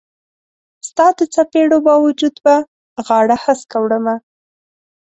ستا د څیپړو با وجود به غاړه هسکه وړمه